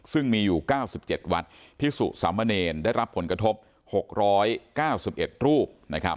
ซึ่งมีอยู่๙๗วัดพิสุสามเณรได้รับผลกระทบ๖๙๑รูป